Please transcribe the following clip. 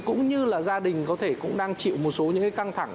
cũng như là gia đình có thể cũng đang chịu một số những cái căng thẳng